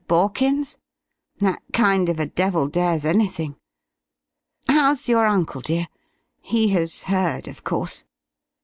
Borkins? That kind of a devil dares anything.... How's your uncle, dear? He has heard, of course?"